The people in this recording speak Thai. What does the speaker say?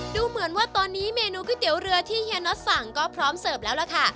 ดูเหมือนว่าตอนนี้เมนูก๋วยเตี๋ยวเรือที่เฮียน็อตสั่งก็พร้อมเสิร์ฟแล้วล่ะค่ะ